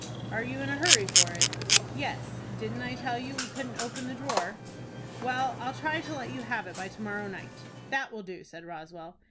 "Are you in a hurry for it?" "Yes; didn't I tell you we couldn't open the drawer?" "Well, I'll try to let you have it by to morrow night." "That will do," said Roswell.